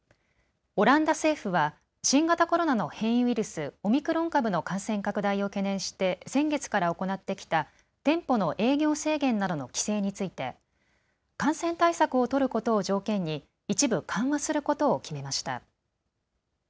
オランダ政府は新型コロナの変異ウイルス、オミクロン株の感染拡大を懸念して先月から行ってきた店舗の営業制限などの規制について感染対策を取ることを条件に一部緩和することを決めました。